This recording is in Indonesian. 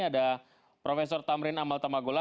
ada prof tamrin amal tamagola